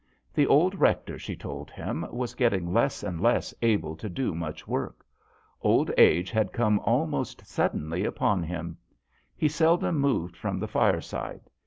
The old rector, she told him, was getting less and less able to do much work. Old age had come almost suddenly upon him. He seldom moved from the fireside.